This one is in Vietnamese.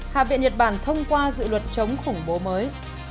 hạ viện nhật bản thông qua dự luật chống khủng bố mới